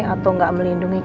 atau gak melindungi keisha